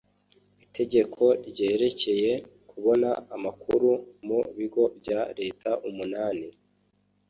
itegeko ryerekeye kubona amakuru mu bigo bya leta umunani